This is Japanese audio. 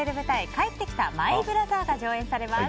「帰ってきた・マイブラザー」が上演されます。